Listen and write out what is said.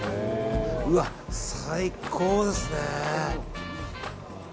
うわ、最高ですね。